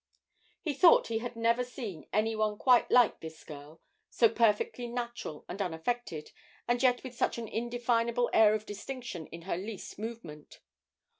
He thought he had never seen any one quite like this girl, so perfectly natural and unaffected, and yet with such an indefinable air of distinction in her least movement.